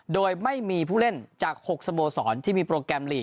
โดยไม่มีผู้เล่นจาก๖สโมสรที่มีโปรแกรมลีก